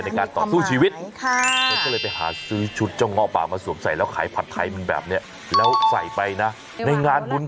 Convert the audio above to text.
ทักไทยแกรู้ป่าวแกใส่กุ้งมาเนี้ยกี่ตัว